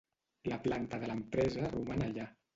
La planta de l'empresa roman allà.